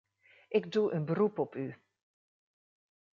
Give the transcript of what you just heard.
Ik doe een beroep op u.